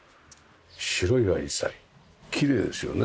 白いアジサイきれいですよね。